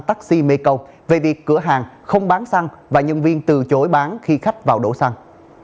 taxi mekong về việc cửa hàng không bán xăng và nhân viên từ chối bán khi khách vào đổ xăng